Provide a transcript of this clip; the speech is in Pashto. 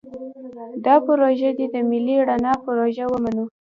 دا پروژه دې د ملي رڼا پروژه ومنو.